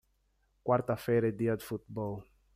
Quarta feira é dia de futebol.